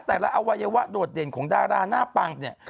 แต่ละอวัยวะโดดเด่นของดาราหน้าปังเนี่ย